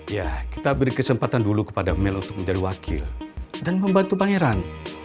ya kita beri kesempatan dulu kepada mel untuk menjadi wakil dan membantu pangeran